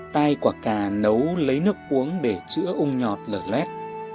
tai quả cà nấu lấy nước uống để chữa ung nhọt lở lét